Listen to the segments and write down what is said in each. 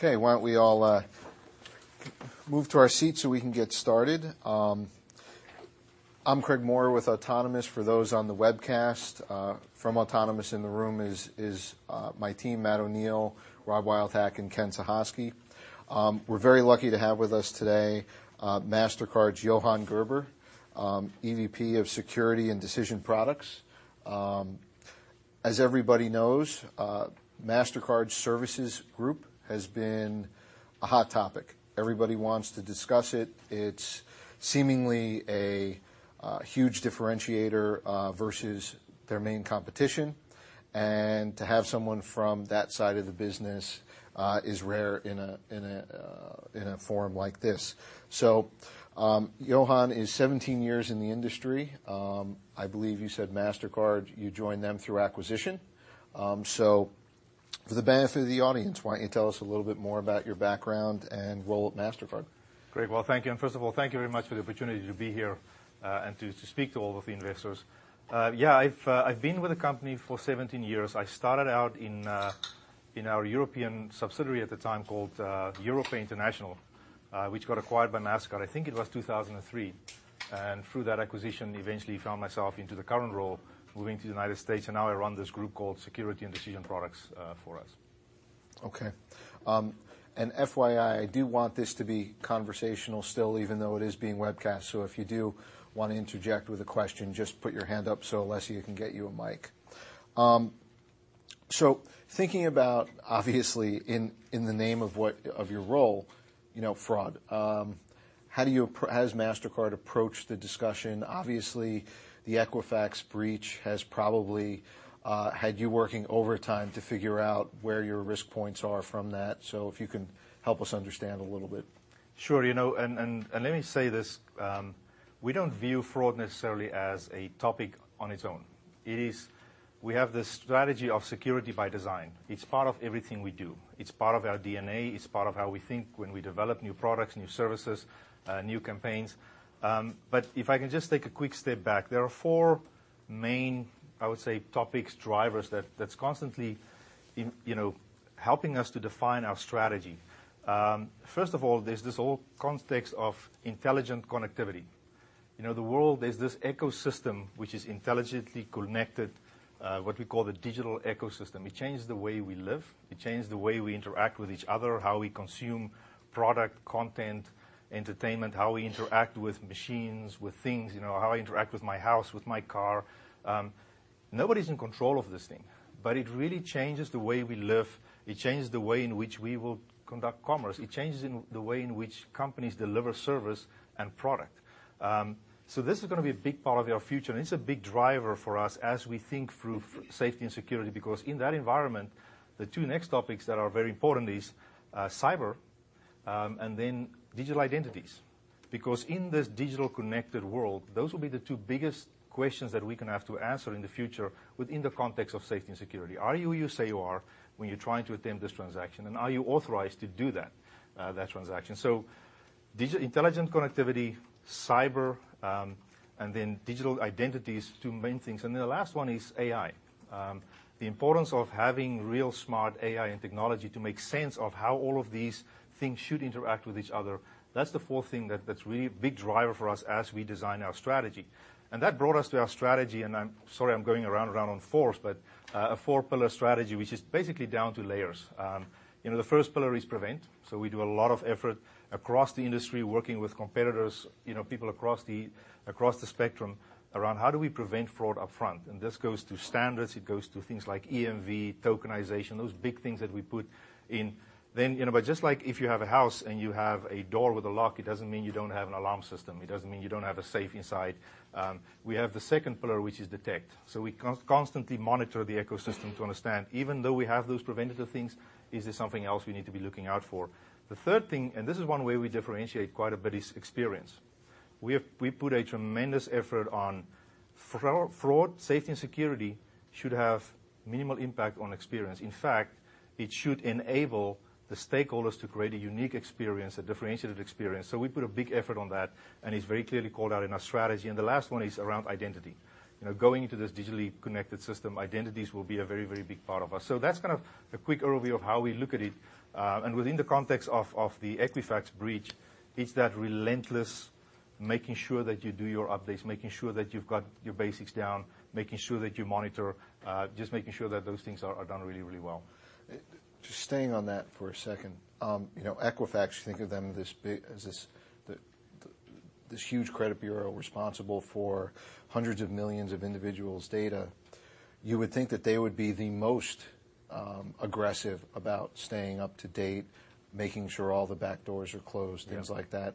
Why don't we all move to our seats so we can get started? I'm Craig Moore with Autonomous for those on the webcast. From Autonomous in the room is my team, Matt O'Neill, Rob Wildhack, and Ken Usdin. We're very lucky to have with us today, Mastercard's Johan Gerber, EVP of Security and Decision Products. As everybody knows, Mastercard Services Group has been a hot topic. Everybody wants to discuss it. It's seemingly a huge differentiator versus their main competition. To have someone from that side of the business is rare in a forum like this. Johan is 17 years in the industry. I believe you said Mastercard, you joined them through acquisition. For the benefit of the audience, why don't you tell us a little bit more about your background and role at Mastercard? Great. Well, thank you. First of all, thank you very much for the opportunity to be here and to speak to all of the investors. I've been with the company for 17 years. I started out in our European subsidiary at the time called Europay International, which got acquired by Mastercard, I think it was 2003. Through that acquisition, eventually found myself into the current role, moving to the U.S., and now I run this group called Security and Decision Products for us. Okay. FYI, I do want this to be conversational still, even though it is being webcast. If you do want to interject with a question, just put your hand up so Leslie can get you a mic. Thinking about, obviously, in the name of your role, fraud. How has Mastercard approached the discussion? Obviously, the Equifax breach has probably had you working overtime to figure out where your risk points are from that. If you can help us understand a little bit. Sure. Let me say this, we don't view fraud necessarily as a topic on its own. We have this strategy of security by design. It's part of everything we do. It's part of our DNA. It's part of how we think when we develop new products, new services, new campaigns. If I can just take a quick step back, there are four main, I would say, topics, drivers, that's constantly helping us to define our strategy. First of all, there's this whole context of intelligent connectivity. The world is this ecosystem which is intelligently connected, what we call the digital ecosystem. It changed the way we live. It changed the way we interact with each other, how we consume product, content, entertainment, how we interact with machines, with things. How I interact with my house, with my car. Nobody's in control of this thing, but it really changes the way we live. It changes the way in which we will conduct commerce. It changes the way in which companies deliver service and product. This is going to be a big part of our future, and it's a big driver for us as we think through safety and security, because in that environment, the two next topics that are very important is cyber, and then digital identities. In this digital connected world, those will be the two biggest questions that we going to have to answer in the future within the context of safety and security. Are you who you say you are when you're trying to attempt this transaction, and are you authorized to do that transaction? Intelligent connectivity, cyber, and then digital identity is two main things. The last one is AI. The importance of having real smart AI and technology to make sense of how all of these things should interact with each other. That's the fourth thing that's really a big driver for us as we design our strategy. That brought us to our strategy, and I'm sorry, I'm going around and around on fours, but a four-pillar strategy, which is basically down to layers. The first pillar is prevent. We do a lot of effort across the industry, working with competitors, people across the spectrum, around how do we prevent fraud up front. This goes to standards, it goes to things like EMV, tokenization, those big things that we put in. Just like if you have a house and you have a door with a lock, it doesn't mean you don't have an alarm system. It doesn't mean you don't have a safe inside. We have the second pillar, which is detect. We constantly monitor the ecosystem to understand, even though we have those preventative things, is there something else we need to be looking out for? The third thing, and this is one way we differentiate quite a bit, is experience. We put a tremendous effort on fraud. Fraud, safety, and security should have minimal impact on experience. In fact, it should enable the stakeholders to create a unique experience, a differentiated experience. We put a big effort on that, and it's very clearly called out in our strategy. The last one is around identity. Going into this digitally connected system, identities will be a very, very big part of us. That's kind of a quick overview of how we look at it. Within the context of the Equifax breach, it's that relentless making sure that you do your updates, making sure that you've got your basics down, making sure that you monitor, just making sure that those things are done really, really well. Just staying on that for a second. Equifax, you think of them as this huge credit bureau responsible for hundreds of millions of individuals' data. You would think that they would be the most aggressive about staying up to date, making sure all the back doors are closed, things like that. Yeah.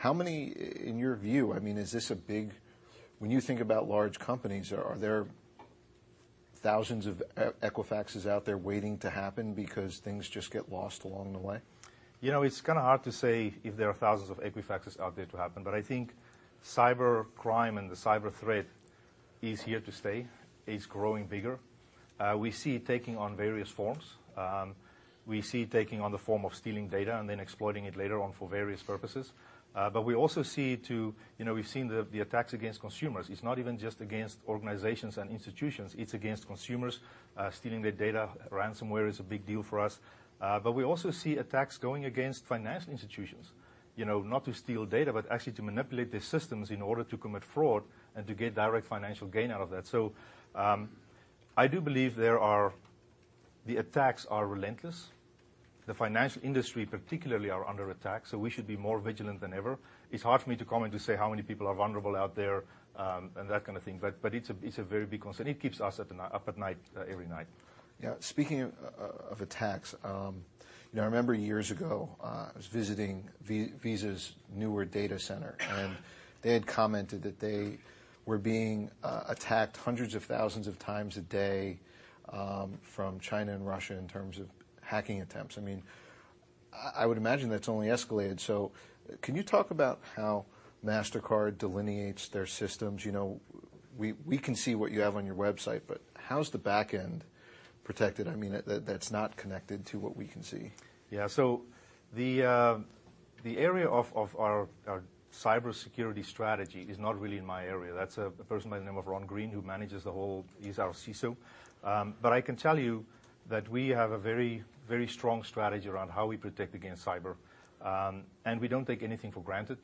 How many, in your view, when you think about large companies, are there thousands of Equifaxes out there waiting to happen because things just get lost along the way? It's kind of hard to say if there are thousands of Equifaxes out there to happen. I think cyber crime and the cyber threat is here to stay, is growing bigger. We see it taking on various forms. We see it taking on the form of stealing data and then exploiting it later on for various purposes. We also see the attacks against consumers. It's not even just against organizations and institutions, it's against consumers, stealing their data. Ransomware is a big deal for us. We also see attacks going against financial institutions. You know, not to steal data, but actually to manipulate the systems in order to commit fraud and to get direct financial gain out of that. I do believe the attacks are relentless. The financial industry particularly are under attack, we should be more vigilant than ever. It's hard for me to comment to say how many people are vulnerable out there, and that kind of thing. It's a very big concern. It keeps us up at night every night. Yeah. Speaking of attacks, I remember years ago, I was visiting Visa's newer data center, and they had commented that they were being attacked hundreds of thousands of times a day from China and Russia in terms of hacking attempts. I would imagine that's only escalated, can you talk about how Mastercard delineates their systems? We can see what you have on your website, how's the back end protected? That's not connected to what we can see. The area of our cybersecurity strategy is not really my area. That's a person by the name of Ron Green, who manages the whole. He's our CISO. I can tell you that we have a very strong strategy around how we protect against cyber. We don't take anything for granted.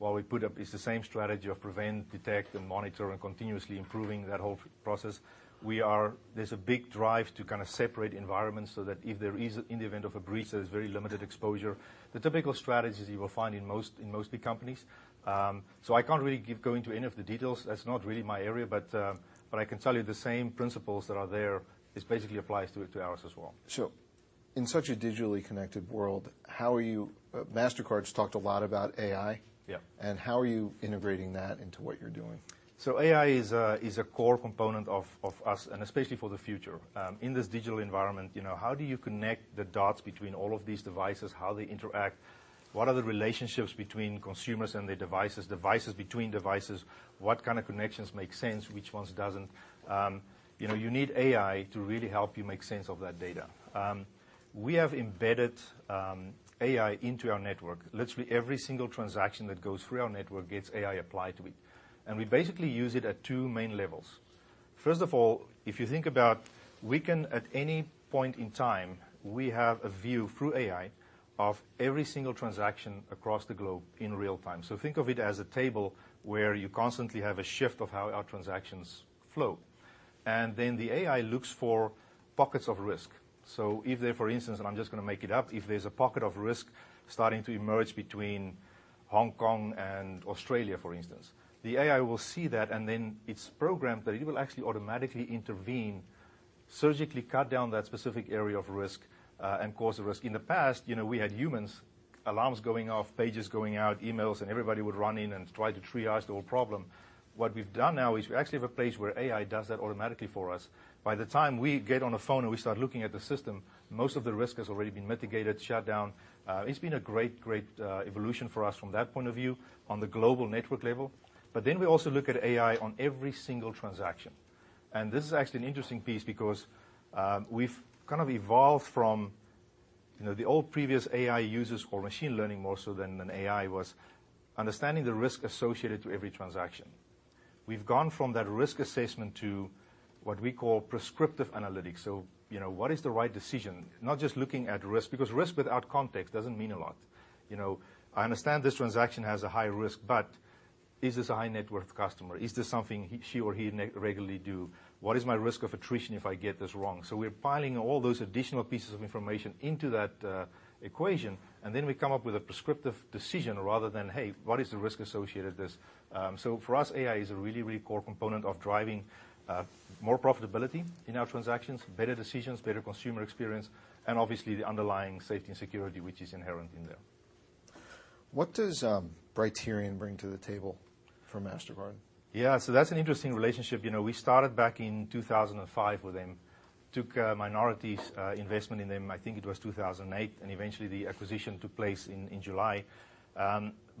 While we put up, it's the same strategy of prevent, detect, and monitor, and continuously improving that whole process. There's a big drive to kind of separate environments so that if there is in the event of a breach, there's very limited exposure. The typical strategies you will find in most big companies. I can't really keep going into any of the details. That's not really my area, I can tell you the same principles that are there, this basically applies to ours as well. Sure. In such a digitally connected world, Mastercard's talked a lot about AI. Yeah. How are you integrating that into what you're doing? AI is a core component of us and especially for the future. In this digital environment, how do you connect the dots between all of these devices, how they interact? What are the relationships between consumers and their devices between devices? What kind of connections make sense? Which ones doesn't? You need AI to really help you make sense of that data. We have embedded AI into our network. Literally every single transaction that goes through our network gets AI applied to it. We basically use it at 2 main levels. First of all, if you think about we can, at any point in time, we have a view through AI of every single transaction across the globe in real-time. Think of it as a table where you constantly have a shift of how our transactions flow. The AI looks for pockets of risk. If there, for instance, and I'm just going to make it up, if there's a pocket of risk starting to emerge between Hong Kong and Australia, for instance. The AI will see that, and then it's programmed that it will actually automatically intervene, surgically cut down that specific area of risk, and cause a risk. In the past, we had humans, alarms going off, pages going out, emails, and everybody would run in and try to triage the whole problem. What we've done now is we actually have a place where AI does that automatically for us. By the time we get on the phone and we start looking at the system, most of the risk has already been mitigated, shut down. It's been a great evolution for us from that point of view on the global network level. We also look at AI on every single transaction. This is actually an interesting piece because, we've kind of evolved from the old previous AI users or machine learning more so than an AI was understanding the risk associated to every transaction. We've gone from that risk assessment to what we call prescriptive analytics. What is the right decision? Not just looking at risk, because risk without context doesn't mean a lot. I understand this transaction has a high risk, but is this a high-net-worth customer? Is this something she or he regularly do? What is my risk of attrition if I get this wrong? We're piling all those additional pieces of information into that equation, and then we come up with a prescriptive decision rather than, hey, what is the risk associated with this? For us, AI is a really core component of driving more profitability in our transactions, better decisions, better consumer experience, and obviously the underlying safety and security, which is inherent in there. What does Brighterion bring to the table for Mastercard? Yeah. That's an interesting relationship. We started back in 2005 with them, took a minority investment in them, I think it was 2008, and eventually the acquisition took place in July.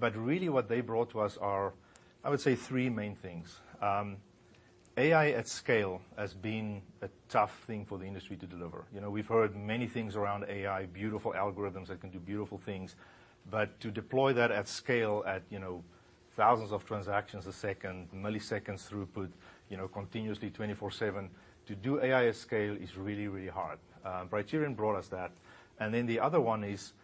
Really what they brought to us are, I would say, 3 main things. AI at scale as being a tough thing for the industry to deliver. We've heard many things around AI, beautiful algorithms that can do beautiful things. To deploy that at scale at thousands of transactions a second, milliseconds throughput, continuously 24/7. To do AI at scale is really hard. Brighterion brought us that. The other one is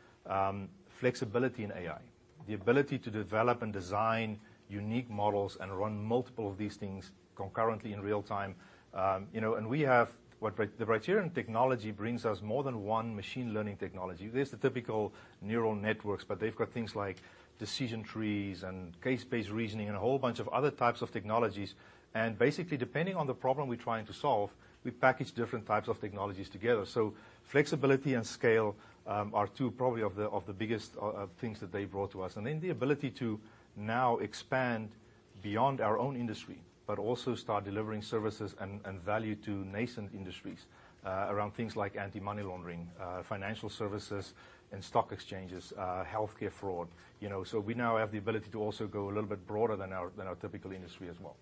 flexibility in AI, the ability to develop and design unique models and run multiple of these things concurrently in real-time. We have the Brighterion technology brings us more than one machine learning technology. There's the typical neural networks, they've got things like decision trees and case-based reasoning and a whole bunch of other types of technologies. Basically, depending on the problem we're trying to solve, we package different types of technologies together. Flexibility and scale, are 2 probably of the biggest things that they brought to us. The ability to now expand beyond our own industry, also start delivering services and value to nascent industries, around things like anti-money laundering, financial services and stock exchanges, healthcare fraud. We now have the ability to also go a little bit broader than our typical industry as well.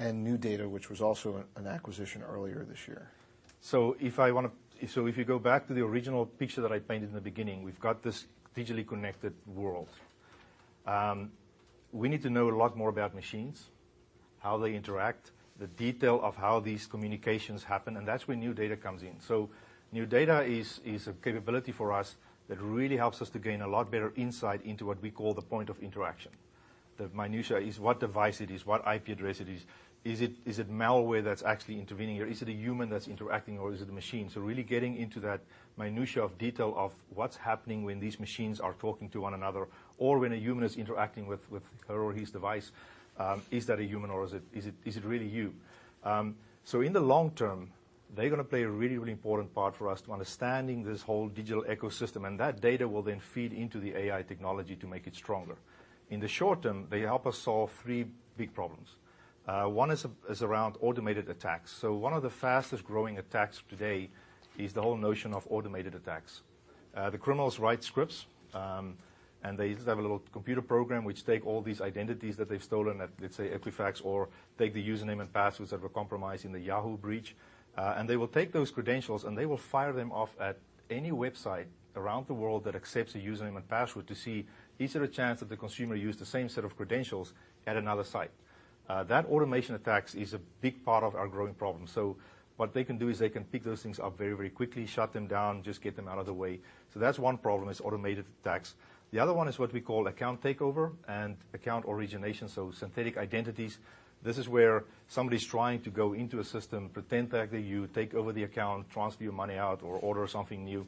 NuData, which was also an acquisition earlier this year. If you go back to the original picture that I painted in the beginning, we've got this digitally connected world. We need to know a lot more about machines, how they interact, the detail of how these communications happen, and that's where NuData comes in. NuData is a capability for us that really helps us to gain a lot better insight into what we call the point of interaction. The minutia is what device it is, what IP address it is. Is it malware that's actually intervening, or is it a human that's interacting, or is it a machine? Really getting into that minutia of detail of what's happening when these machines are talking to one another, or when a human is interacting with her or his device. Is that a human, or is it really you? In the long term, they're going to play a really, really important part for us to understanding this whole digital ecosystem, and that data will then feed into the AI technology to make it stronger. In the short term, they help us solve three big problems. One is around automated attacks. One of the fastest-growing attacks today is the whole notion of automated attacks. The criminals write scripts, and they just have a little computer program which take all these identities that they've stolen at, let's say, Equifax, or take the username and passwords that were compromised in the Yahoo breach. They will take those credentials, and they will fire them off at any website around the world that accepts a username and password to see is there a chance that the consumer used the same set of credentials at another site. That automation attacks is a big part of our growing problem. What they can do is they can pick those things up very, very quickly, shut them down, just get them out of the way. That's one problem is automated attacks. The other one is what we call account takeover and account origination, synthetic identities. This is where somebody's trying to go into a system, pretend they're you, take over the account, transfer your money out, or order something new.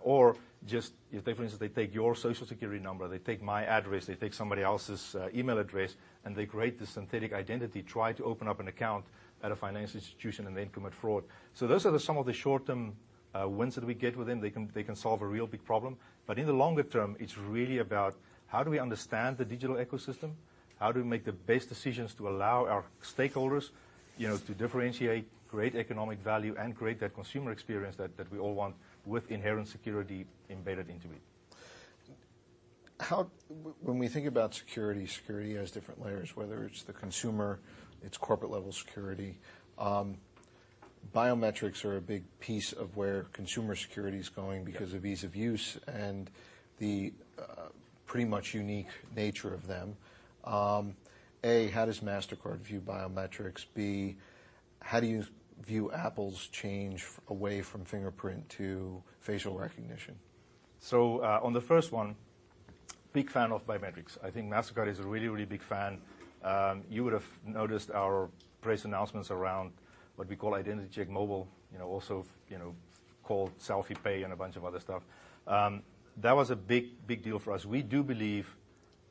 Or just, if they, for instance, they take your Social Security number, they take my address, they take somebody else's email address, they create this synthetic identity, try to open up an account at a financial institution, they commit fraud. Those are some of the short-term wins that we get with them. They can solve a real big problem. In the longer term, it's really about how do we understand the digital ecosystem? How do we make the best decisions to allow our stakeholders to differentiate, create economic value, create that consumer experience that we all want with inherent security embedded into it? When we think about security has different layers, whether it's the consumer, it's corporate-level security. Biometrics are a big piece of where consumer security is going because- Yeah of ease of use and the pretty much unique nature of them. How does Mastercard view biometrics? How do you view Apple's change away from fingerprint to facial recognition? On the first one, big fan of biometrics. I think Mastercard is a really big fan. You would've noticed our press announcements around what we call Identity Check Mobile. Also called Selfie Pay and a bunch of other stuff. That was a big, big deal for us. We do believe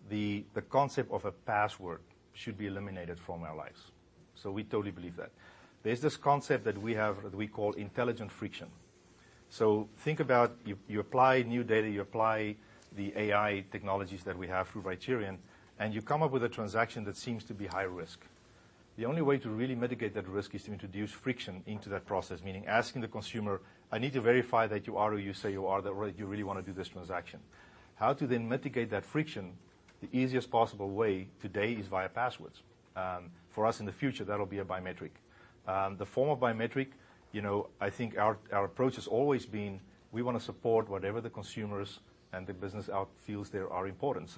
the concept of a password should be eliminated from our lives. We totally believe that. There's this concept that we have that we call intelligent friction. Think about you apply NuData, you apply the AI technologies that we have through Brighterion, and you come up with a transaction that seems to be high risk. The only way to really mitigate that risk is to introduce friction into that process, meaning asking the consumer, "I need to verify that you are who you say you are, that you really want to do this transaction." How to mitigate that friction, the easiest possible way today is via passwords. For us in the future, that'll be a biometric. The form of biometric, I think our approach has always been we want to support whatever the consumers and the business out feels there are important.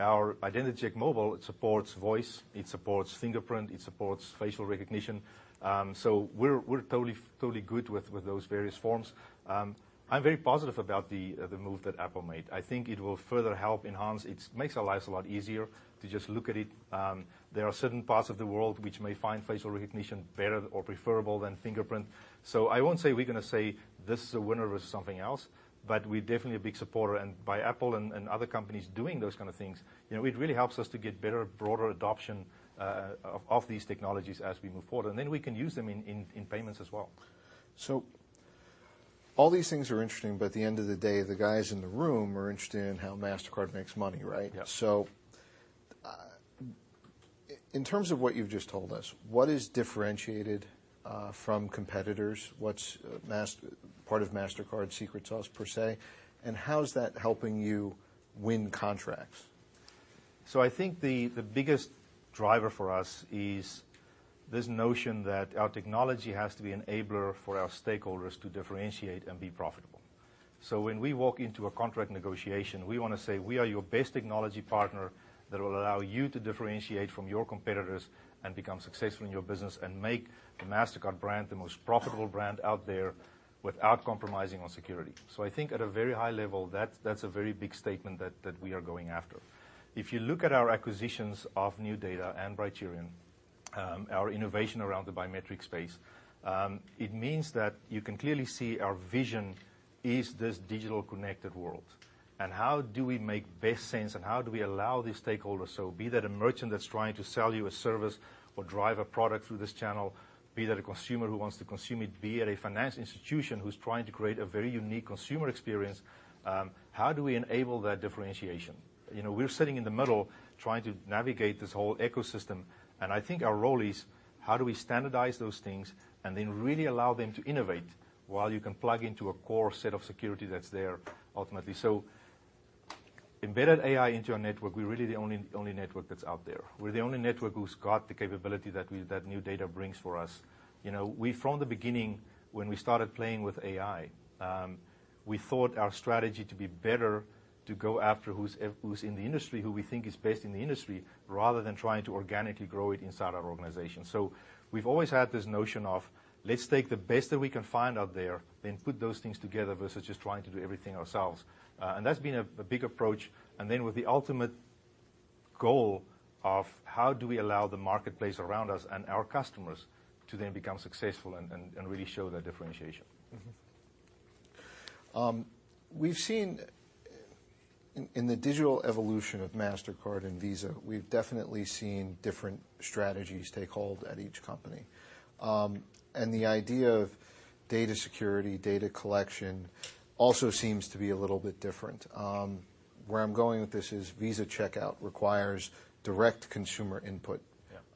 Our Identity Check Mobile, it supports voice, it supports fingerprint, it supports facial recognition. We're totally good with those various forms. I'm very positive about the move that Apple made. I think it will further help. It makes our lives a lot easier to just look at it. There are certain parts of the world which may find facial recognition better or preferable than fingerprint. I won't say we're going to say this is a winner over something else, but we're definitely a big supporter. By Apple and other companies doing those kind of things, it really helps us to get better, broader adoption of these technologies as we move forward. We can use them in payments as well. All these things are interesting, but at the end of the day, the guys in the room are interested in how Mastercard makes money, right? Yes. In terms of what you've just told us, what is differentiated from competitors? What's part of Mastercard's secret sauce, per se? How's that helping you win contracts? I think the biggest driver for us is this notion that our technology has to be an enabler for our stakeholders to differentiate and be profitable. When we walk into a contract negotiation, we want to say, "We are your best technology partner that will allow you to differentiate from your competitors and become successful in your business and make the Mastercard brand the most profitable brand out there without compromising on security." I think at a very high level, that's a very big statement that we are going after. If you look at our acquisitions of NuData and Brighterion, our innovation around the biometric space, it means that you can clearly see our vision is this digital connected world. How do we make best sense, and how do we allow the stakeholders, be that a merchant that's trying to sell you a service or drive a product through this channel, be that a consumer who wants to consume it, be it a financial institution who's trying to create a very unique consumer experience, how do we enable that differentiation? We're sitting in the middle trying to navigate this whole ecosystem, and I think our role is how do we standardize those things and then really allow them to innovate while you can plug into a core set of security that's there ultimately. Embedded AI into our network, we're really the only network that's out there. We're the only network who's got the capability that NuData brings for us. From the beginning, when we started playing with AI, we thought our strategy to be better to go after who's in the industry, who we think is best in the industry, rather than trying to organically grow it inside our organization. We've always had this notion of let's take the best that we can find out there, then put those things together versus just trying to do everything ourselves. That's been a big approach, then with the ultimate goal of how do we allow the marketplace around us and our customers to then become successful and really show that differentiation. We've seen in the digital evolution of Mastercard and Visa, we've definitely seen different strategies take hold at each company. The idea of data security, data collection also seems to be a little bit different. Where I'm going with this is Visa Checkout requires direct consumer input.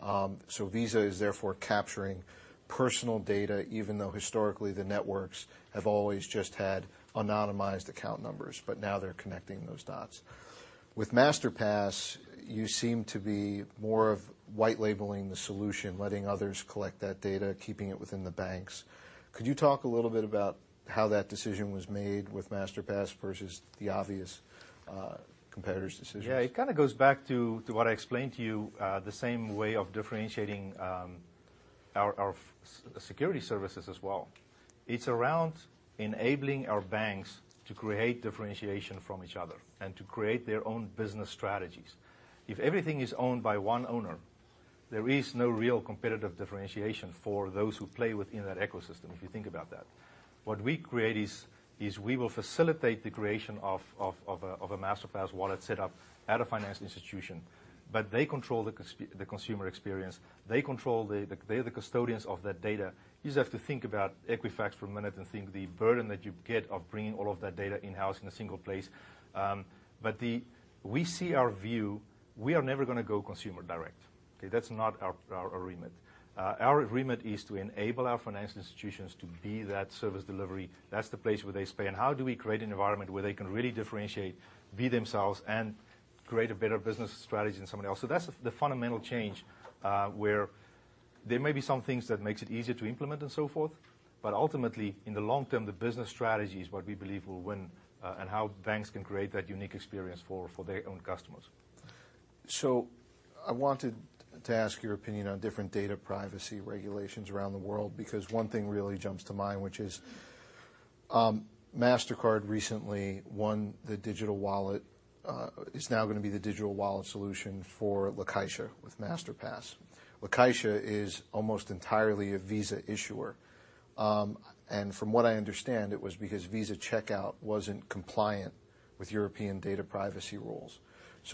Yeah. Visa is therefore capturing personal data, even though historically the networks have always just had anonymized account numbers, but now they're connecting those dots. With Masterpass, you seem to be more of white-labeling the solution, letting others collect that data, keeping it within the banks. Could you talk a little bit about how that decision was made with Masterpass versus the obvious competitors' decisions? It kind of goes back to what I explained to you, the same way of differentiating our security services as well. It's around enabling our banks to create differentiation from each other and to create their own business strategies. If everything is owned by one owner, there is no real competitive differentiation for those who play within that ecosystem, if you think about that. What we create is we will facilitate the creation of a Masterpass wallet set up at a financial institution, but they control the consumer experience. They are the custodians of that data. You just have to think about Equifax for a minute and think the burden that you get of bringing all of that data in-house in a single place. We see our view, we are never going to go consumer direct. Okay? That's not our agreement. Our agreement is to enable our financial institutions to be that service delivery. That's the place where they stay, and how do we create an environment where they can really differentiate, be themselves, and create a better business strategy than somebody else? That's the fundamental change, where there may be some things that makes it easier to implement and so forth, but ultimately, in the long term, the business strategy is what we believe will win, and how banks can create that unique experience for their own customers. I wanted to ask your opinion on different data privacy regulations around the world, because one thing really jumps to mind, which is Mastercard recently won the digital wallet. It's now going to be the digital wallet solution for La Caixa with Masterpass. La Caixa is almost entirely a Visa issuer. From what I understand, it was because Visa Checkout wasn't compliant with European data privacy rules.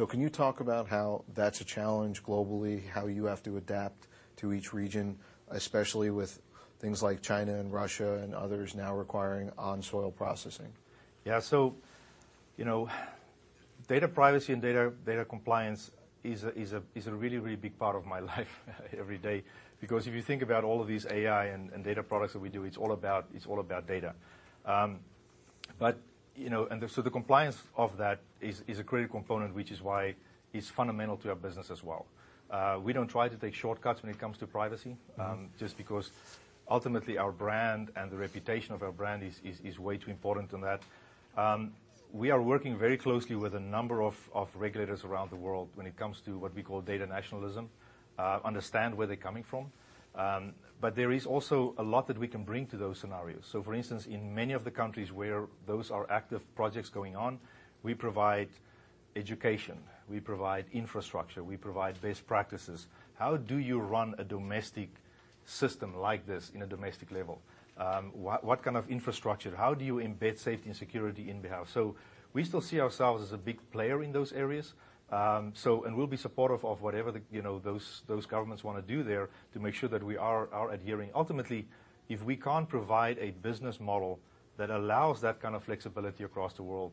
Can you talk about how that's a challenge globally, how you have to adapt to each region, especially with things like China and Russia and others now requiring on-soil processing? Data privacy and data compliance is a really big part of my life every day. Because if you think about all of these AI and data products that we do, it's all about data. The compliance of that is a critical component, which is why it's fundamental to our business as well. We don't try to take shortcuts when it comes to privacy. Just because ultimately our brand and the reputation of our brand is way too important in that. We are working very closely with a number of regulators around the world when it comes to what we call data nationalism, understand where they're coming from. There is also a lot that we can bring to those scenarios. For instance, in many of the countries where those are active projects going on, we provide education. We provide infrastructure. We provide best practices. How do you run a domestic system like this in a domestic level? What kind of infrastructure? How do you embed safety and security in the house? We still see ourselves as a big player in those areas. We'll be supportive of whatever those governments want to do there to make sure that we are adhering. Ultimately, if we can't provide a business model that allows that kind of flexibility across the world,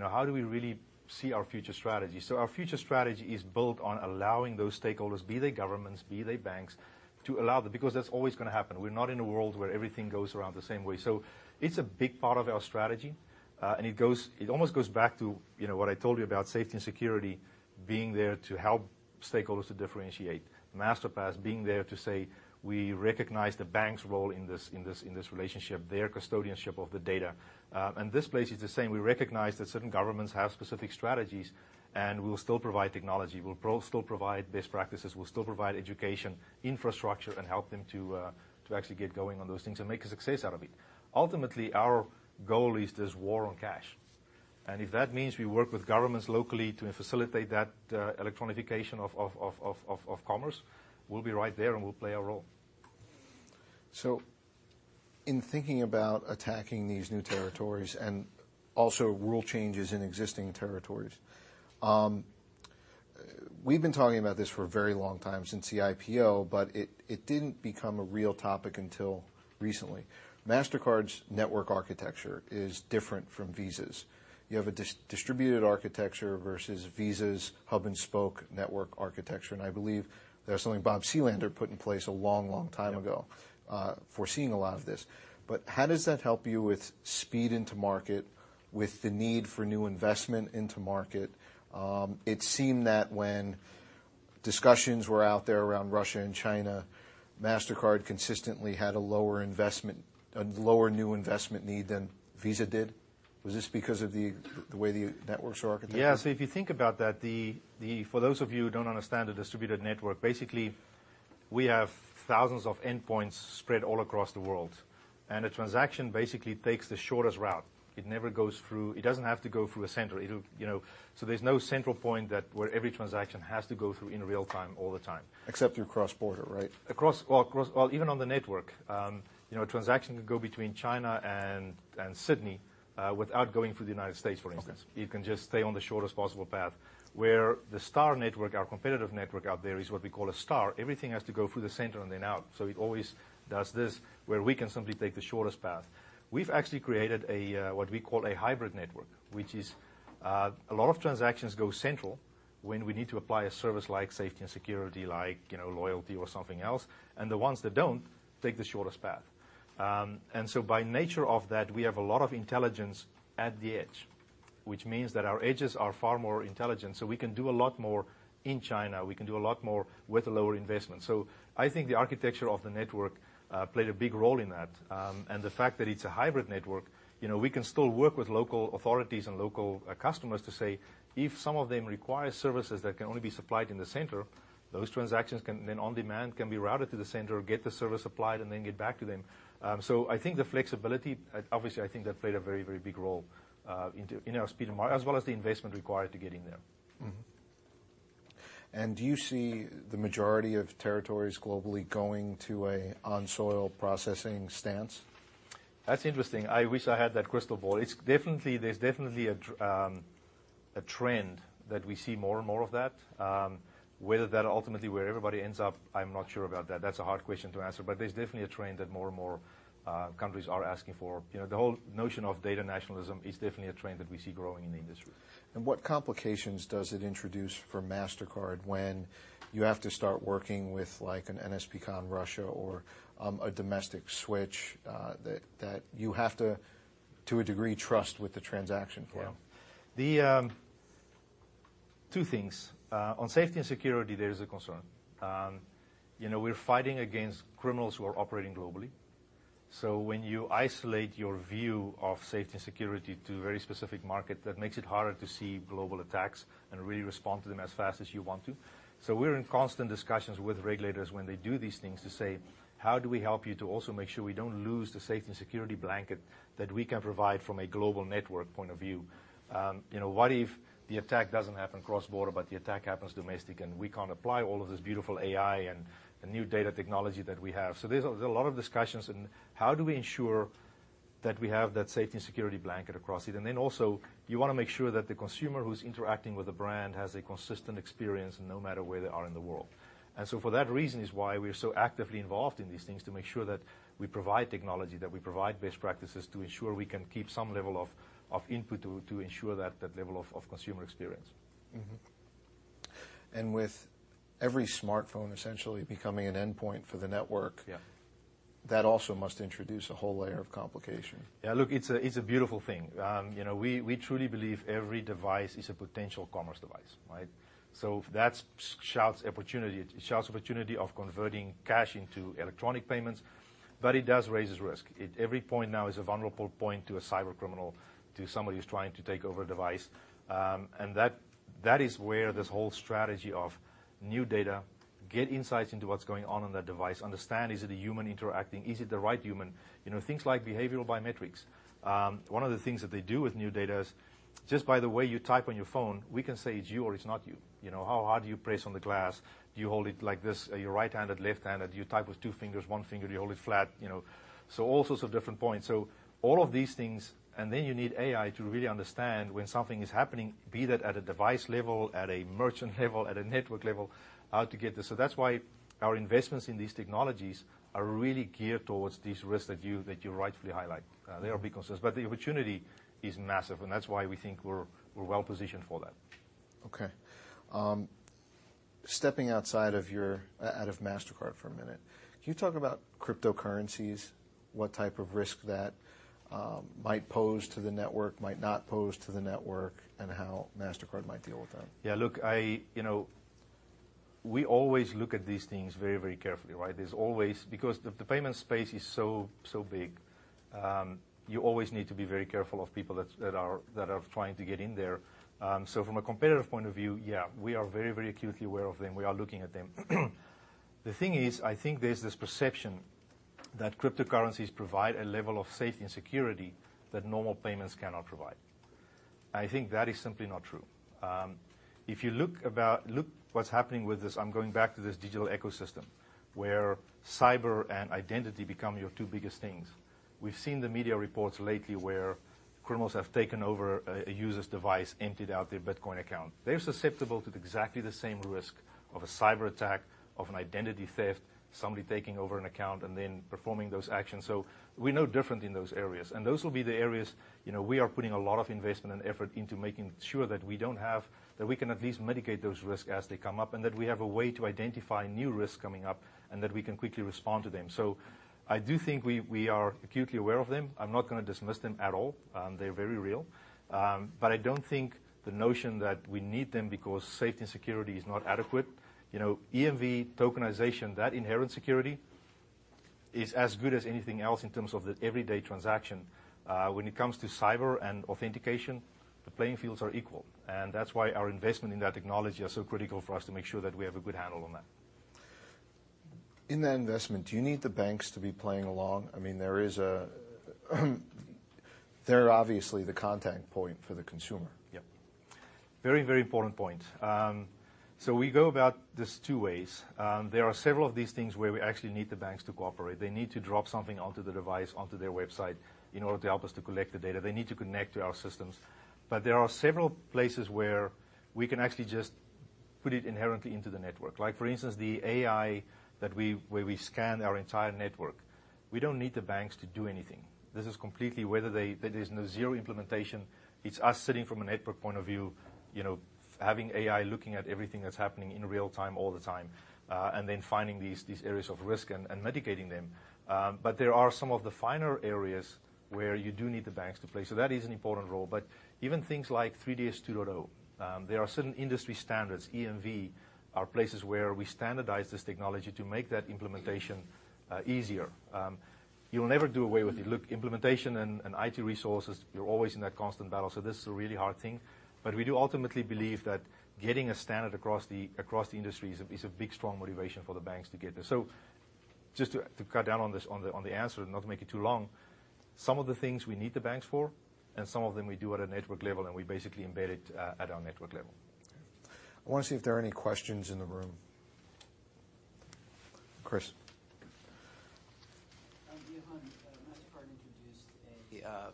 how do we really see our future strategy? Our future strategy is built on allowing those stakeholders, be they governments, be they banks, to allow that because that's always going to happen. We're not in a world where everything goes around the same way. It's a big part of our strategy. It almost goes back to what I told you about safety and security, being there to help stakeholders to differentiate. Masterpass being there to say, "We recognize the bank's role in this relationship, their custodianship of the data." This place is the same. We recognize that certain governments have specific strategies, and we'll still provide technology. We'll still provide best practices. We'll still provide education, infrastructure, and help them to actually get going on those things and make a success out of it. Ultimately, our goal is this war on cash. If that means we work with governments locally to facilitate that electronification of commerce, we'll be right there and we'll play our role. In thinking about attacking these new territories and also rule changes in existing territories, we've been talking about this for a very long time since the IPO, but it didn't become a real topic until recently. Mastercard's network architecture is different from Visa's. You have a distributed architecture versus Visa's hub and spoke network architecture, and I believe that's something Robert Selander put in place a long time ago- Yeah foreseeing a lot of this. How does that help you with speed into market, with the need for new investment into market? It seemed that when discussions were out there around Russia and China, Mastercard consistently had a lower new investment need than Visa did. Was this because of the way the networks are architected? Yeah. If you think about that, for those of you who don't understand a distributed network, basically, we have thousands of endpoints spread all across the world, and a transaction basically takes the shortest route. It doesn't have to go through a center. There's no central point that where every transaction has to go through in real time, all the time. Except through cross-border, right? Well, even on the network. A transaction could go between China and Sydney, without going through the United States, for instance. You can just stay on the shortest possible path. Where the star network, our competitive network out there is what we call a star. Everything has to go through the center and then out. It always does this, where we can simply take the shortest path. We've actually created what we call a hybrid network, which is, a lot of transactions go central when we need to apply a service like safety and security, like loyalty or something else, and the ones that don't, take the shortest path. By nature of that, we have a lot of intelligence at the edge, which means that our edges are far more intelligent, so we can do a lot more in China. We can do a lot more with a lower investment. I think the architecture of the network played a big role in that. The fact that it's a hybrid network, we can still work with local authorities and local customers to say, if some of them require services that can only be supplied in the center, those transactions can then on demand, can be routed to the center, get the service applied, and then get back to them. I think the flexibility, obviously, I think that played a very big role, in our speed of market, as well as the investment required to getting there. Mm-hmm. Do you see the majority of territories globally going to a on-soil processing stance? That's interesting. I wish I had that crystal ball. There's definitely a trend that we see more and more of that. Whether that ultimately where everybody ends up, I'm not sure about that. That's a hard question to answer, but there's definitely a trend that more and more countries are asking for. The whole notion of data nationalism is definitely a trend that we see growing in the industry. What complications does it introduce for Mastercard when you have to start working with an NSPK Russia or a domestic switch, that you have to, a degree, trust with the transaction for them? Yeah. Two things. On safety and security, there is a concern. We're fighting against criminals who are operating globally. When you isolate your view of safety and security to a very specific market, that makes it harder to see global attacks and really respond to them as fast as you want to. We're in constant discussions with regulators when they do these things to say, "How do we help you to also make sure we don't lose the safety and security blanket that we can provide from a global network point of view?" What if the attack doesn't happen cross-border, but the attack happens domestic, and we can't apply all of this beautiful AI and the NuData technology that we have. There's a lot of discussions in how do we ensure that we have that safety and security blanket across it. Also, you want to make sure that the consumer who's interacting with the brand has a consistent experience no matter where they are in the world. For that reason is why we are so actively involved in these things to make sure that we provide technology, that we provide best practices to ensure we can keep some level of input to ensure that level of consumer experience. Mm-hmm. With every smartphone essentially becoming an endpoint for the network. Yeah That also must introduce a whole layer of complication. Yeah, look, it's a beautiful thing. We truly believe every device is a potential commerce device. Right? That shouts opportunity. It shouts opportunity of converting cash into electronic payments, but it does raise risk. Every point now is a vulnerable point to a cybercriminal, to somebody who's trying to take over a device. That is where this whole strategy of NuData, get insights into what's going on on that device, understand is it a human interacting, is it the right human? Things like behavioral biometrics. One of the things that they do with NuData is just by the way you type on your phone, we can say it's you or it's not you. How hard you press on the glass. Do you hold it like this? Are you right-handed, left-handed? Do you type with two fingers, one finger? Do you hold it flat? All sorts of different points. All of these things, and then you need AI to really understand when something is happening, be that at a device level, at a merchant level, at a network level, how to get this. That's why our investments in these technologies are really geared towards these risks that you rightfully highlight. They are big concerns, but the opportunity is massive, and that's why we think we're well-positioned for that. Okay. Stepping outside of Mastercard for a minute. Can you talk about cryptocurrencies, what type of risk that might pose to the network, might not pose to the network, and how Mastercard might deal with that? Yeah. Look, we always look at these things very carefully, right? Because the payment space is so big, you always need to be very careful of people that are trying to get in there. From a competitive point of view, yeah, we are very acutely aware of them. We are looking at them. The thing is, I think there's this perception that cryptocurrencies provide a level of safety and security that normal payments cannot provide. I think that is simply not true. If you look what's happening with this, I'm going back to this digital ecosystem where cyber and identity become your two biggest things. We've seen the media reports lately where criminals have taken over a user's device, emptied out their Bitcoin account. They're susceptible to exactly the same risk of a cyberattack, of an identity theft, somebody taking over an account, and then performing those actions. We're no different in those areas, and those will be the areas we are putting a lot of investment and effort into making sure that we can at least mitigate those risks as they come up, and that we have a way to identify new risks coming up, and that we can quickly respond to them. I do think we are acutely aware of them. I'm not going to dismiss them at all. They're very real. But I don't think the notion that we need them because safety and security is not adequate. EMV tokenization, that inherent security is as good as anything else in terms of the everyday transaction. When it comes to cyber and authentication, the playing fields are equal, and that's why our investment in that technology are so critical for us to make sure that we have a good handle on that. In that investment, do you need the banks to be playing along? They're obviously the contact point for the consumer. Yep. Very important point. We go about this two ways. There are several of these things where we actually need the banks to cooperate. They need to drop something onto the device, onto their website in order to help us to collect the data. They need to connect to our systems. There are several places where we can actually just put it inherently into the network. Like for instance, the AI where we scan our entire network. We don't need the banks to do anything. There's zero implementation. It's us sitting from a network point of view, having AI looking at everything that's happening in real time all the time, and then finding these areas of risk and mitigating them. There are some of the finer areas where you do need the banks to play. That is an important role. Even things like 3DS 2.0, there are certain industry standards, EMV, are places where we standardize this technology to make that implementation easier. You'll never do away with it. Look, implementation and IT resources, you're always in that constant battle, this is a really hard thing. We do ultimately believe that getting a standard across the industry is a big, strong motivation for the banks to get there. Just to cut down on the answer, not to make it too long, some of the things we need the banks for, and some of them we do at a network level, and we basically embed it at our network level. Okay. I want to see if there are any questions in the room. Chris. Johan, Mastercard introduced a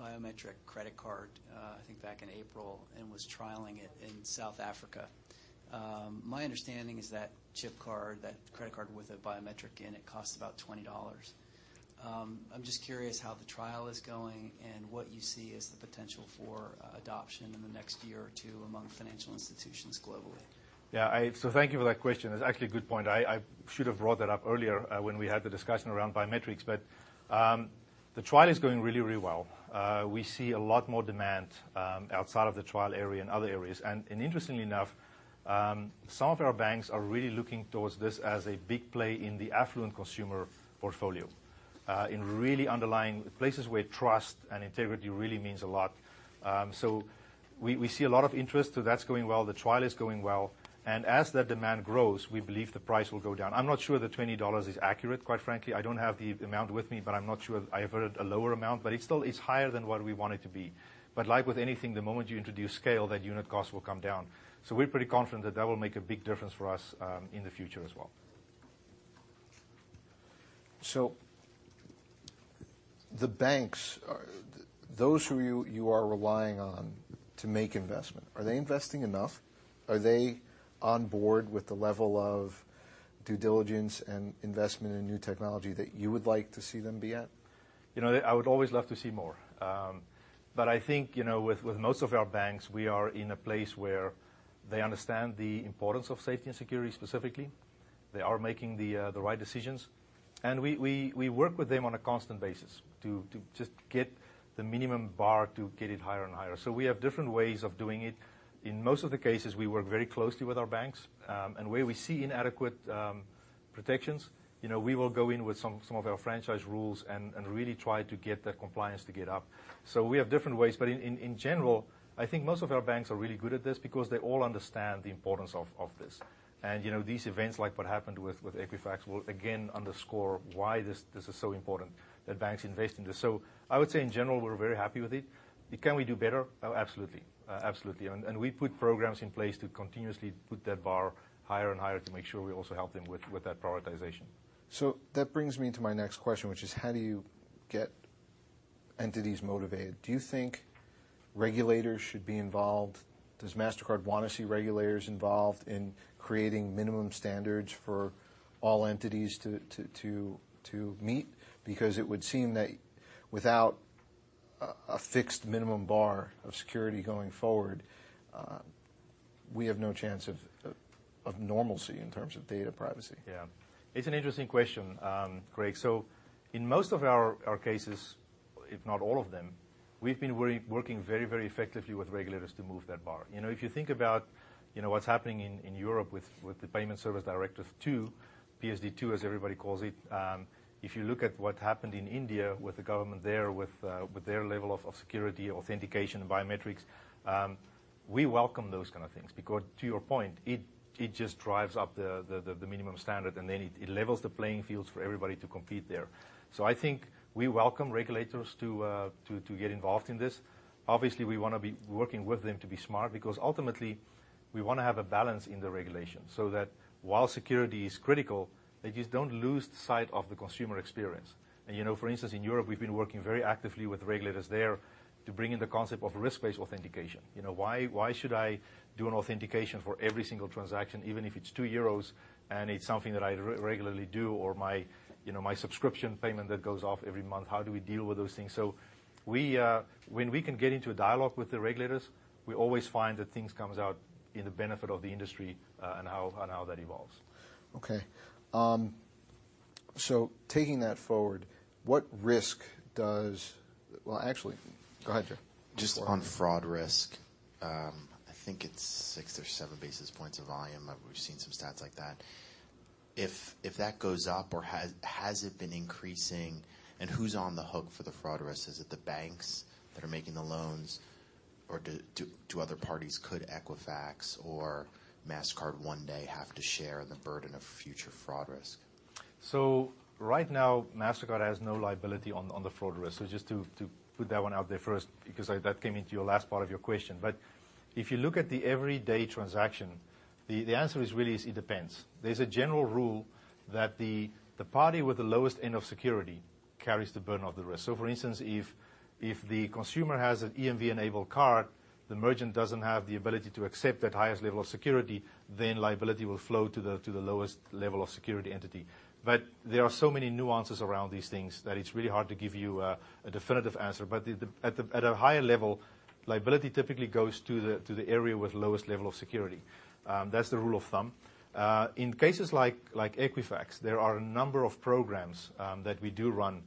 biometric credit card, I think back in April, and was trialing it in South Africa. My understanding is that chip card, that credit card with a biometric in it costs about $20. I'm just curious how the trial is going and what you see as the potential for adoption in the next year or two among financial institutions globally. Yeah. Thank you for that question. It's actually a good point. I should've brought that up earlier when we had the discussion around biometrics. The trial is going really well. We see a lot more demand outside of the trial area, in other areas. Interestingly enough, some of our banks are really looking towards this as a big play in the affluent consumer portfolio, in really underlying places where trust and integrity really means a lot. We see a lot of interest. That's going well. The trial is going well. As that demand grows, we believe the price will go down. I'm not sure the $20 is accurate, quite frankly. I don't have the amount with me, but I'm not sure. I've heard a lower amount, but it's higher than what we want it to be. Like with anything, the moment you introduce scale, that unit cost will come down. We're pretty confident that that will make a big difference for us in the future as well. The banks, those who you are relying on to make investment, are they investing enough? Are they on board with the level of due diligence and investment in new technology that you would like to see them be at? I would always love to see more. I think, with most of our banks, we are in a place where they understand the importance of safety and security specifically. They are making the right decisions, and we work with them on a constant basis to just get the minimum bar to get it higher and higher. We have different ways of doing it. In most of the cases, we work very closely with our banks, and where we see inadequate protections, we will go in with some of our franchise rules and really try to get that compliance to get up. We have different ways, but in general, I think most of our banks are really good at this because they all understand the importance of this. These events, like what happened with Equifax, will again underscore why this is so important that banks invest in this. I would say, in general, we're very happy with it. Can we do better? Oh, absolutely. We put programs in place to continuously put that bar higher and higher to make sure we also help them with that prioritization. That brings me to my next question, which is how do you get entities motivated? Do you think regulators should be involved? Does Mastercard want to see regulators involved in creating minimum standards for all entities to meet? Because it would seem that without a fixed minimum bar of security going forward, we have no chance of normalcy in terms of data privacy. Yeah. It's an interesting question, Craig. In most of our cases, if not all of them, we've been working very effectively with regulators to move that bar. If you think about what's happening in Europe with the Payment Services Directive 2, PSD2, as everybody calls it, if you look at what happened in India with the government there, with their level of security, authentication, and biometrics, we welcome those kind of things because, to your point, it just drives up the minimum standard, and then it levels the playing fields for everybody to compete there. I think we welcome regulators to get involved in this. Obviously, we want to be working with them to be smart because ultimately, we want to have a balance in the regulation so that while security is critical, they just don't lose sight of the consumer experience. For instance, in Europe, we've been working very actively with regulators there to bring in the concept of risk-based authentication. Why should I do an authentication for every single transaction, even if it's 2 euros and it's something that I regularly do or my subscription payment that goes off every month? How do we deal with those things? When we can get into a dialogue with the regulators, we always find that things come out in the benefit of the industry and how that evolves. Okay. Taking that forward, what risk does Well, actually, go ahead, Jeff. Just on fraud risk, I think it's six or seven basis points of volume. We've seen some stats like that. If that goes up or has it been increasing, and who's on the hook for the fraud risk? Is it the banks that are making the loans, or do other parties, could Equifax or Mastercard one day have to share in the burden of future fraud risk? Right now, Mastercard has no liability on the fraud risk. Just to put that one out there first, because that came into your last part of your question. If you look at the everyday transaction, the answer is really, is it depends. There's a general rule that the party with the lowest end of security carries the burden of the risk. For instance, if the consumer has an EMV-enabled card, the merchant doesn't have the ability to accept that highest level of security, then liability will flow to the lowest level of security entity. There are so many nuances around these things that it's really hard to give you a definitive answer. At a higher level, liability typically goes to the area with lowest level of security. That's the rule of thumb. In cases like Equifax, there are a number of programs that we do run,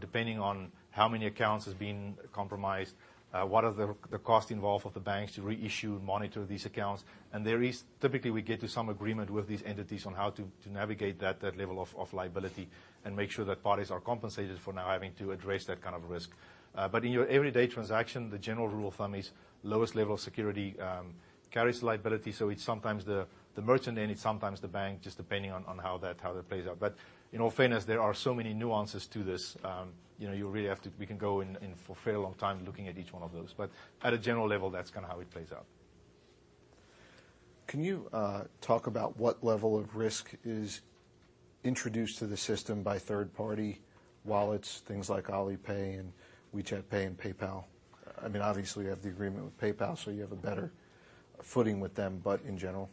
depending on how many accounts has been compromised, what are the cost involved with the banks to reissue, monitor these accounts. There is typically, we get to some agreement with these entities on how to navigate that level of liability and make sure that parties are compensated for now having to address that kind of risk. In your everyday transaction, the general rule of thumb is lowest level of security carries liability. It's sometimes the merchant and it's sometimes the bank, just depending on how that plays out. In all fairness, there are so many nuances to this. We can go in for a fair long time looking at each one of those. At a general level, that's kind of how it plays out. Can you talk about what level of risk is introduced to the system by third party wallets, things like Alipay and WeChat Pay and PayPal? I mean, obviously you have the agreement with PayPal, so you have a better footing with them, but in general?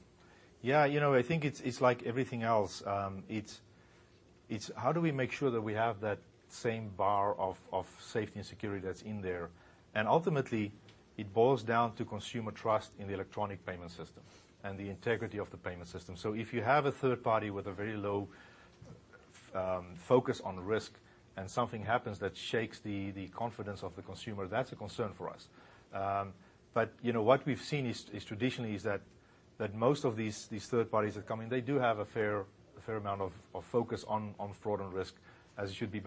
Yeah. I think it's like everything else. It's how do we make sure that we have that same bar of safety and security that's in there. Ultimately it boils down to consumer trust in the electronic payment system and the integrity of the payment system. If you have a third party with a very low focus on the risk and something happens that shakes the confidence of the consumer, that's a concern for us. What we've seen is traditionally is that most of these third parties that come in, they do have a fair amount of focus on fraud and risk as it should be.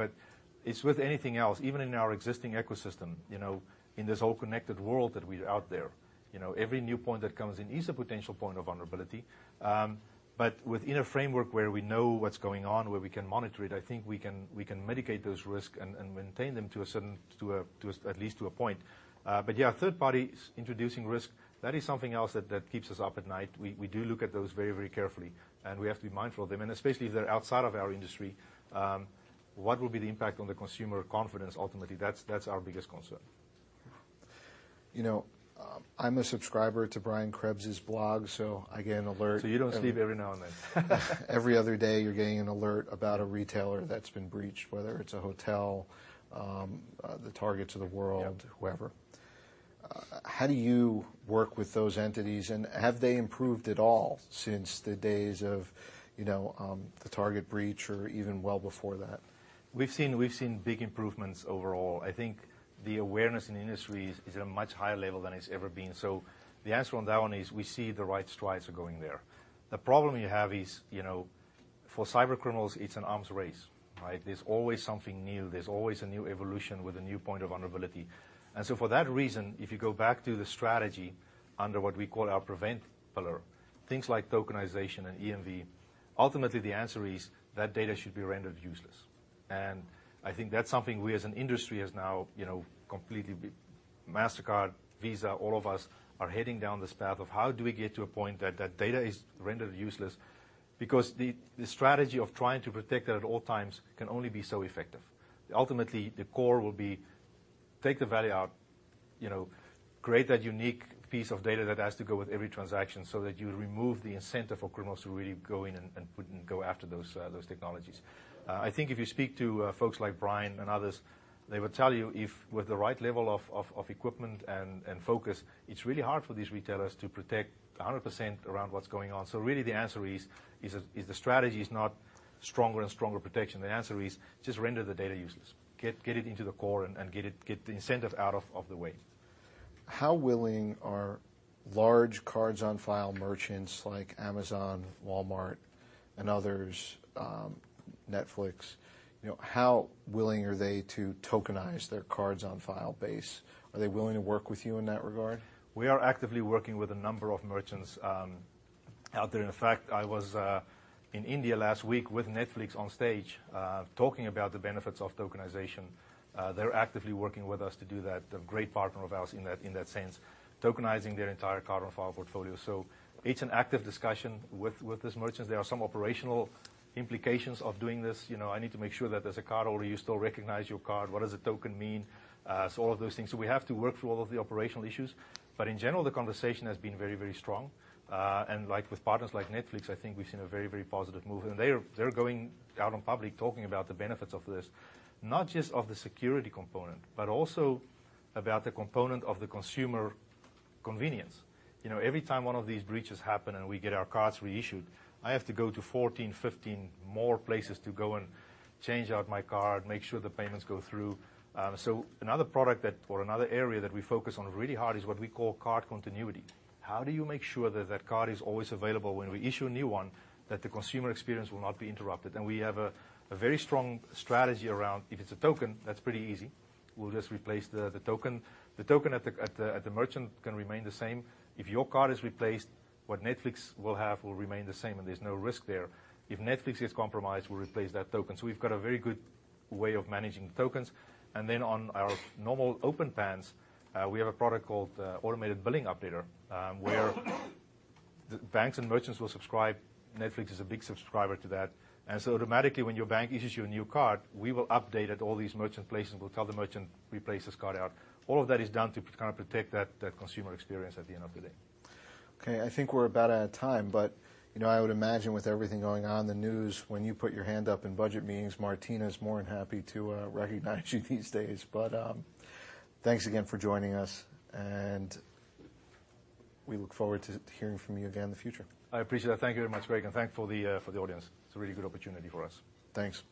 It's with anything else, even in our existing ecosystem, in this whole connected world that we are out there, every new point that comes in is a potential point of vulnerability. Within a framework where we know what's going on, where we can monitor it, I think we can mitigate those risks and maintain them at least to a point. Yeah, third parties introducing risk, that is something else that keeps us up at night. We do look at those very carefully, and we have to be mindful of them, and especially if they're outside of our industry. What will be the impact on the consumer confidence ultimately? That's our biggest concern. I'm a subscriber to Brian Krebs' blog, so I get an alert. You don't sleep every now and then. Every other day, you're getting an alert about a retailer that's been breached, whether it's a hotel, the Targets of the world. Yep whoever. How do you work with those entities, have they improved at all since the days of the Target breach or even well before that? We've seen big improvements overall. I think the awareness in the industry is at a much higher level than it's ever been. The answer on that one is we see the right strides are going there. The problem you have is, for cybercriminals, it's an arms race, right? There's always something new. There's always a new evolution with a new point of vulnerability. For that reason, if you go back to the strategy under what we call our prevent pillar, things like tokenization and EMV, ultimately the answer is that data should be rendered useless. I think that's something we as an industry has now completely, Mastercard, Visa, all of us, are heading down this path of how do we get to a point that that data is rendered useless. Because the strategy of trying to protect it at all times can only be so effective. Ultimately, the core will be take the value out, create that unique piece of data that has to go with every transaction so that you remove the incentive for criminals to really go in and go after those technologies. I think if you speak to folks like Brian and others, they would tell you if with the right level of equipment and focus, it's really hard for these retailers to protect 100% around what's going on. Really the answer is, the strategy is not stronger and stronger protection. The answer is just render the data useless. Get it into the core and get the incentive out of the way. How willing are large cards-on-file merchants like Amazon, Walmart, and others, Netflix, how willing are they to tokenize their cards-on-file base? Are they willing to work with you in that regard? We are actively working with a number of merchants out there. In fact, I was in India last week with Netflix on stage, talking about the benefits of tokenization. They're actively working with us to do that. They're great partner of ours in that sense, tokenizing their entire card-on-file portfolio. It's an active discussion with those merchants. There are some operational implications of doing this. I need to make sure that there's a cardholder, you still recognize your card. What does a token mean? All of those things. We have to work through all of the operational issues. In general, the conversation has been very strong. With partners like Netflix, I think we've seen a very positive movement, and they're going out in public talking about the benefits of this, not just of the security component, but also about the component of the consumer convenience. Every time one of these breaches happen and we get our cards reissued, I have to go to 14, 15 more places to go and change out my card, make sure the payments go through. Another product that, or another area that we focus on really hard is what we call card continuity. How do you make sure that that card is always available when we issue a new one, that the consumer experience will not be interrupted? We have a very strong strategy around if it's a token, that's pretty easy. We'll just replace the token. The token at the merchant can remain the same. If your card is replaced, what Netflix will have will remain the same, and there's no risk there. If Netflix gets compromised, we'll replace that token. We've got a very good way of managing tokens. On our normal open plans, we have a product called Automated Billing Updater where banks and merchants will subscribe. Netflix is a big subscriber to that. Automatically when your bank issues you a new card, we will update at all these merchant places. We'll tell the merchant, "Replace this card out." All of that is done to kind of protect that consumer experience at the end of the day. I think we're about out of time. I would imagine with everything going on in the news, when you put your hand up in budget meetings, Martina's more than happy to recognize you these days. Thanks again for joining us, and we look forward to hearing from you again in the future. I appreciate that. Thank you very much, Craig, and thank for the audience. It's a really good opportunity for us. Thanks.